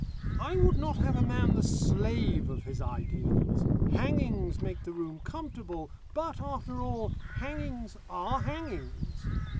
"I would not have a man the slave of his ideals. Hangings make the room comfortable, but, after all, hangings are hangings.